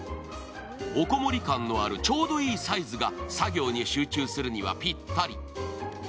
おこもり感のあるちょうどいいサイズが作業に集中するにはぴったり。